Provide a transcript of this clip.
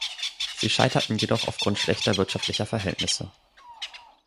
Sie scheiterten jedoch aufgrund schlechter wirtschaftlicher Verhältnisse.